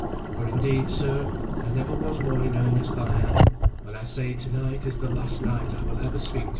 For indeed, sir, I never was more in earnest than I am, when I say to night is the last night I will ever speak to you."